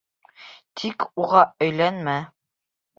Тик уға өйләнмә.